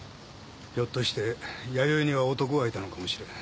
ひょっとして弥生には男がいたのかもしれない。